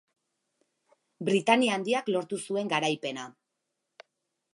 Britainia Handiak lortu zuen garaipena.